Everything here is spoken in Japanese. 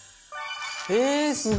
ええすごい！